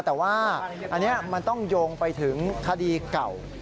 แต่ว่าอันนี้มันต้องโยงไปถึงคดีเก่า